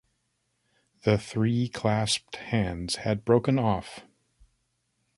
The three clasped hands had broken off.